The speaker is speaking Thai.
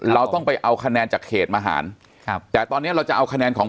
เราต้องไปเอาคะแนนจากเขตมหารครับแต่ตอนนี้เราจะเอาคะแนนของ